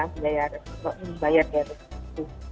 bayar daya restitusi